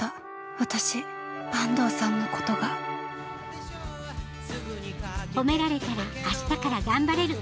私坂東さんのことがほめられたら明日から頑張れる。